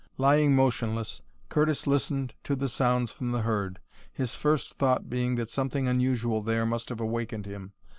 Lying motionless, Curtis listened to the sounds from the herd, his first thought being that something unusual there must have awakened him.